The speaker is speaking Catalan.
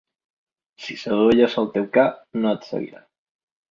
Si sadolles el teu ca, no et seguirà.